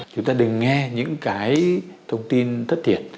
chúng ta đừng nghe những cái thông tin thất thiệt